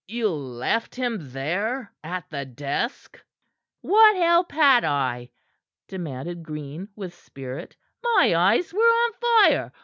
"You left him there at the desk?" "What help had I?" demanded Green with spirit. "My eyes were on fire.